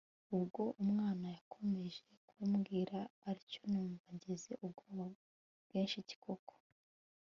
ubwo umwana yakomeje kumbwira atyo numva ngize ubwoba bwinshi koko